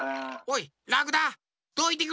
おい！